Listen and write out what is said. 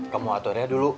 kamu aturin dulu